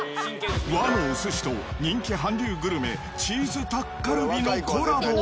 和のお寿司と人気韓流グルメ、チーズタッカルビのコラボ。